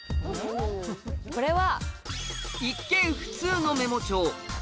これは。